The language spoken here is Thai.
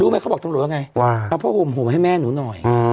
รู้ไหมเขาบอกทั้งหมดว่าไงว่าเอาพ่อห่มห่มให้แม่หนูหน่อยอืม